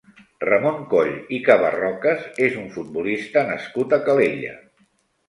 Ramon Coll i Cabarrocas és un futbolista nascut a Calella.